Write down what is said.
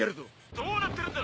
どうなってるんだ